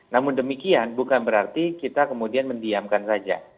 namun demikian bukan berarti kita kemudian mendiamkan saja